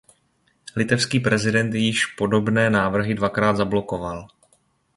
Litevský prezident již podobné návrhy dvakrát zablokoval.